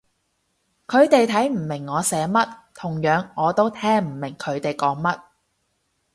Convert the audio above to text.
佢哋睇唔明我寫乜，同樣我都聽唔明佢哋講乜